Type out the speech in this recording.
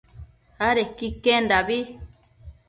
adequi iquendabi